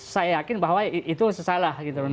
saya yakin bahwa itu salah gitu loh